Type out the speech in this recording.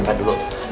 mama denger dulu